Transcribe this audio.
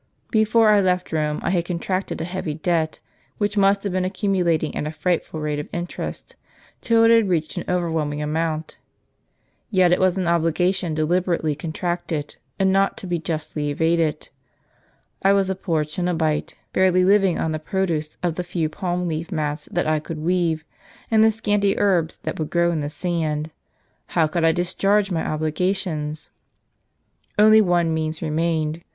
Before I left Rome I had contracted a heavy debt, which must have been accumulating at a frightful rate of interest, till it had reached an overwhelming amount. Yet it was an obligation deliberately contracted, and not to be justly c::^ evaded. I was a poor cenobite,* barely living on the produce of the few palm leaf mats that I could weave, and the scanty herbs that would grow in the sand. How could I discharge my obligations ?" Only one means remained.